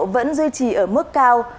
vẫn duy trì ở mức cao